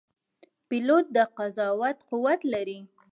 پیلوټ د قضاوت قوت لري.